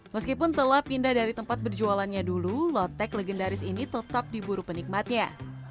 meskipun telah pindah dari tempat berjualannya dulu lotek legendaris ini tetap diburu penikmatnya